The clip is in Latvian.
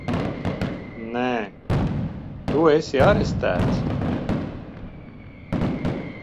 Nē! Tu esi arestēts!